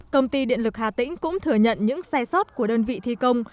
công ty điện lực hà tĩnh cũng thừa nhận những sai sót của đơn vị thi công